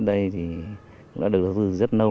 đã được đầu tư rất lâu